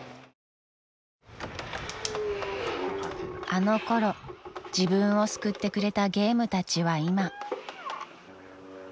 ［あの頃自分を救ってくれたゲームたちは今］